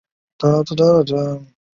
湖边小屋被视为统一国民党的阵营。